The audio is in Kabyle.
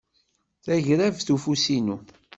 Tagrabt ufus inu.